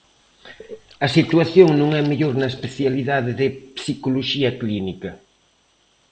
A situación non é mellor na especializade de Psicoloxía Clínica.